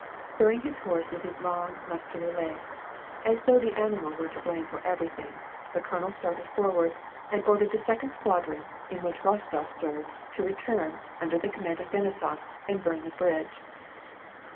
Spurring his horse with his long, muscular legs, as though the animal were to blame for everything, the colonel started forward, and ordered the second squadron, in which Rostof served, to return, under the command of Denisof, and burn the bridge.